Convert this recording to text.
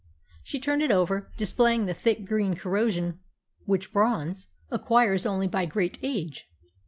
She turned it over, displaying that thick green corrosion which bronze acquires only by great age.